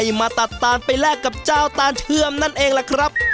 มาตัดตานไปแลกกับเจ้าตานเชื่อมนั่นเองล่ะครับ